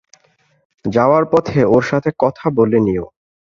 যাওয়ার পথে ওর সাথে কথা বলে নিও।